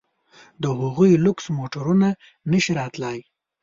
د هغوی لوکس موټرونه نه شي راتلای.